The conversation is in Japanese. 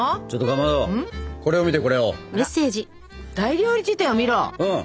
「大料理事典を見ろ！」。